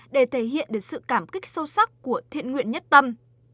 để thể hiện được sự cảm kích sâu sắc của thiện nguyện nhất tâm